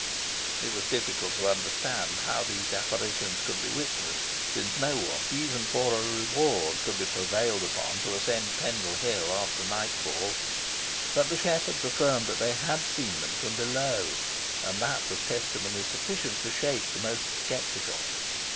It was difficult to understand how these apparitions could be witnessed, since no one, even for a reward, could be prevailed upon to ascend Pendle Hill after nightfall; but the shepherds affirmed they had seen them from below, and that was testimony sufficient to shake the most sceptical.